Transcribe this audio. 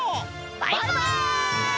バイバイ！